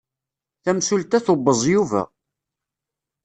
Tamsulta tubeẓ Yuba.